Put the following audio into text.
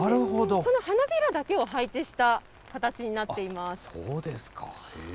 その花びらだけを配置した形になっています。